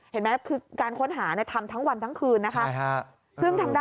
เห็นไหมคือการค้นหาทำทั้งวันทั้งคืนนะคะ